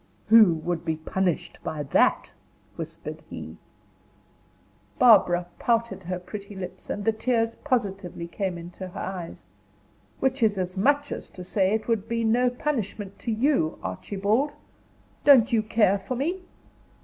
"Who would be punished by that?" whispered he. Barbara pouted her pretty lips, and the tears positively came into her eyes. "Which is as much as to say it would be no punishment to you. Archibald, don't you care for me?"